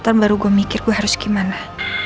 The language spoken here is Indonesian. tahun baru gue mikir gue harus gimana